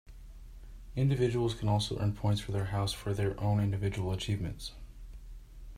Individuals can also earn points for their house for their own individual achievements.